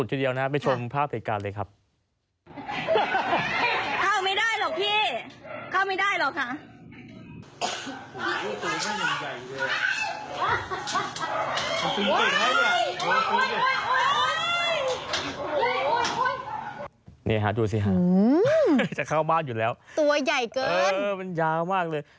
นี่ฮะดูสิฮะจะเข้าบ้านอยู่แล้วตัวใหญ่เกินมันยาวมากเลย